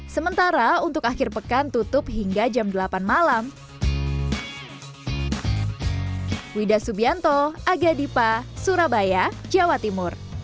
sementara untuk akhir pekan tutup hingga jam delapan malam